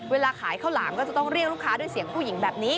เวลาขายข้าวหลามก็จะต้องเรียกลูกค้าด้วยเสียงผู้หญิงแบบนี้